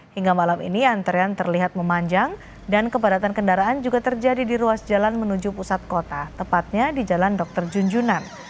hingga malam ini antrean terlihat memanjang dan kepadatan kendaraan juga terjadi di ruas jalan menuju pusat kota tepatnya di jalan dr junjunan